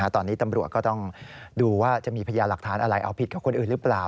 ตอนนี้ตำรวจก็ต้องดูว่าจะมีพยาหลักฐานอะไรเอาผิดกับคนอื่นหรือเปล่า